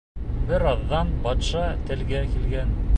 Бер аҙҙан батша телгә килгән: